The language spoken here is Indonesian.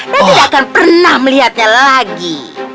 dan tidak akan pernah melihatnya lagi